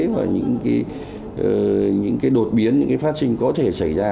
và những đột biến những phát sinh có thể xảy ra